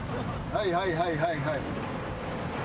はいはいはいはいはい。